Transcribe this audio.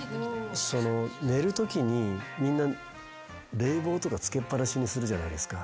寝るときにみんな冷房とかつけっ放しにするじゃないですか。